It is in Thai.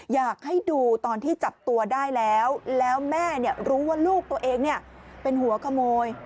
อยากให้ดูตอนที่จับตัวได้แล้วแล้วแม่รู้ว่าลูกตัวเองเป็นหัวขโมย